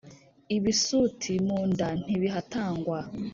ibisuti munda ntibihatangwa